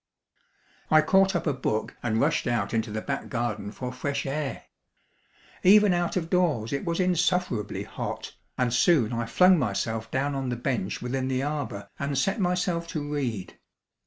I caught up a book and rushed out into the back garden for fresh air. Even out of doors it was insufferably hot, and soon I flung myself down on the bench within the arbour and set myself to read.